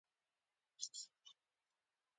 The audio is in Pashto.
جانداد د خلوص په لور روان دی.